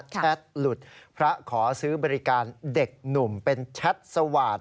หลุดพระขอซื้อบริการเด็กหนุ่มเป็นแชทสวาสตร์